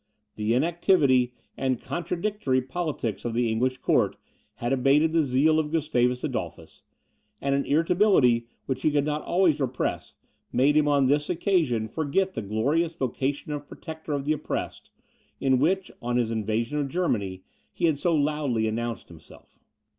The inactivity and contradictory politics of the English court had abated the zeal of Gustavus Adolphus, and an irritability which he could not always repress, made him on this occasion forget the glorious vocation of protector of the oppressed, in which, on his invasion of Germany, he had so loudly announced himself.